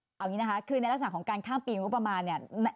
เอาอย่างนี้นะคะคือในลักษณะของการข้ามปีงบประมาณเนี่ย